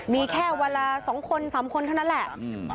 มีแค่วันละ๒คน๓คนเท่านั้นแหละ